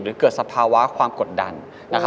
หรือเกิดสภาวะความกดดันนะครับ